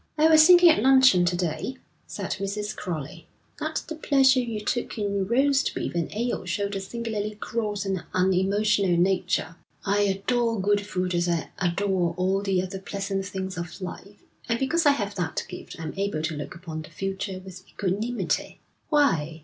'I was thinking at luncheon to day,' said Mrs. Crowley, 'that the pleasure you took in roast beef and ale showed a singularly gross and unemotional nature.' 'I adore good food as I adore all the other pleasant things of life, and because I have that gift I am able to look upon the future with equanimity.' 'Why?'